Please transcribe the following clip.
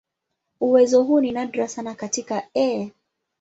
Uwezo huu ni nadra sana katika "E.